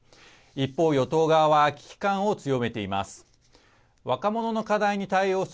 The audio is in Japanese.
一方、与党側は危機感を強めています。